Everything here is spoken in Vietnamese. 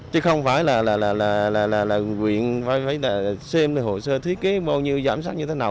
chứ không phải là nguyện phải xem hồ sơ thiết kế bao nhiêu giảm sát như thế nào